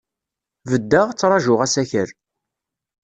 Beddeɣ, ttṛajuɣ asakal.